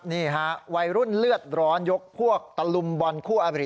นี่ฮะวัยรุ่นเลือดร้อนยกพวกตะลุมบอลคู่อบริ